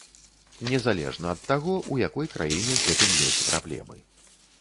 Незалежна ад таго, у якой краіне з гэтым ёсць праблемы.